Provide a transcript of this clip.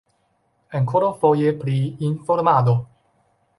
Ankoraŭfoje pri informado.